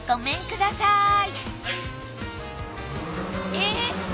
えっ！？